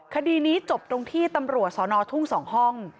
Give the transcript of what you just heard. คดีนี้จบตรงที่ตำรวจสอนอทุ่ง๒ห้อง